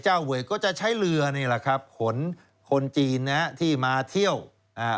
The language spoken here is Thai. เวกก็จะใช้เรือนี่แหละครับขนคนจีนนะฮะที่มาเที่ยวอ่า